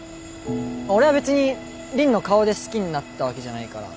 俺は別に凜の顔で好きになったわけじゃないから。